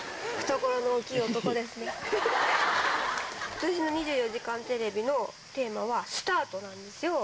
ことしの２４時間テレビのテーマはスタートなんですよ。